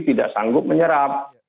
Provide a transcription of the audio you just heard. tidak sanggup menyerap